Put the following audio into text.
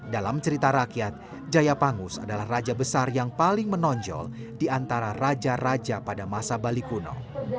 dalam cerita rakyat jaya pangus adalah raja besar yang paling menonjol di antara raja raja pada masa bali kuno